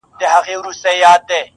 o خیر حتمي کارونه مه پرېږده، کار باسه.